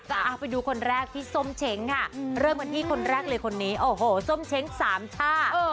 เอาไปดูคนแรกพี่ส้มเช้งค่ะเริ่มกันที่คนแรกเลยคนนี้โอ้โหส้มเช้งสามช่า